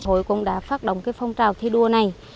hội cũng đã phát động cái phong trào thi đua này